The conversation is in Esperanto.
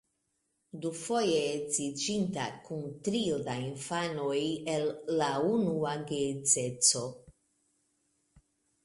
Dufoje edziĝinta, kun trio da infanoj el la unua geedzeco.